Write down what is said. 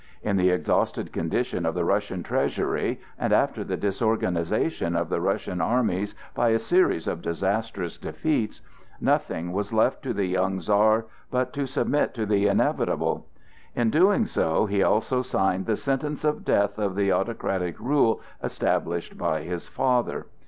In the exhausted condition of the Russian treasury, and after the disorganization of the Russian armies by a series of disastrous defeats, nothing was left to the young Czar but to submit to the inevitable. In doing so he also signed the sentence of death of the autocratic rule established by his father.